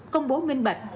công bố minh bạch